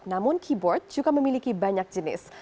namun keyboard juga memiliki banyak jenis